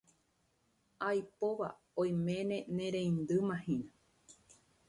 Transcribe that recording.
Aipóva oiméne nereindymahína.